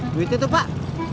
duitnya tuh pak